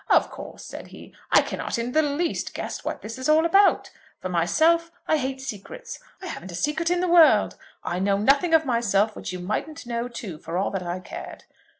"Of course," said he, "I cannot in the least guess what all this is about. For myself I hate secrets. I haven't a secret in the world. I know nothing of myself which you mightn't know too for all that I cared.